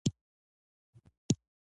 کلنټن دولت دې ته تیار شوی و.